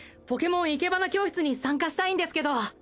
ポケモン生け花教室に参加したいんですけど。